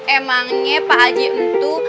emangnya pak haji itu